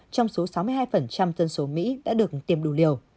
trong số sáu mươi hai dân số mỹ đã được tiêm đủ liều